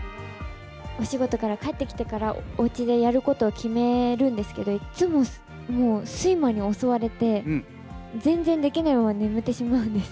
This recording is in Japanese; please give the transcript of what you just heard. お仕事から帰ってきてから、おうちでやることを決めるんですけど、いつも睡魔に襲われて、全然できないまま眠ってしまうんです。